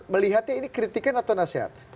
melihatnya ini kritikan atau nasihat